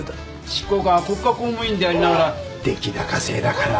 執行官は国家公務員でありながら出来高制だから。